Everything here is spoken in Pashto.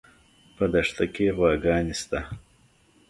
په دښته کې غواګانې شته